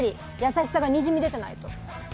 優しさがにじみ出てないと。